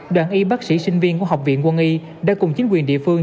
đoàn y bác sĩ sinh viên của học viện quân y đã cùng chính quyền địa phương